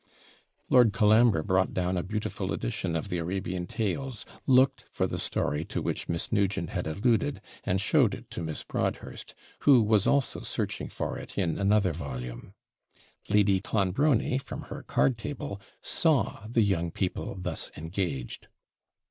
Lord Colambre brought down a beautiful edition of the Arabian tales, looked for the story to which Miss Nugent had alluded, and showed it to Miss Broadhurst, who was also searching for it in another volume. Lady Clonbrony, from her card table, saw the young people thus engaged.